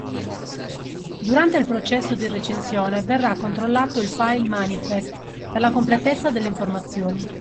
Durante il processo di recensione verrà controllato il file manifest per la completezza delle informazioni